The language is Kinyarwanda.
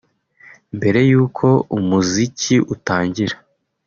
Mbere y’uko umuziki utangira